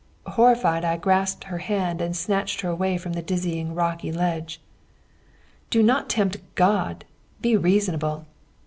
Horrified, I grasped her hand, and snatched her away from the dizzying rocky ledge. "Do not tempt God! Be reasonable!"